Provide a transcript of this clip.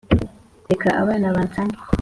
reka abana bansange